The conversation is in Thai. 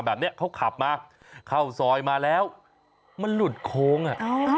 แบบนี้เขาขับมาเข้าซอยมาแล้วมันหลุดโค้งอ่ะ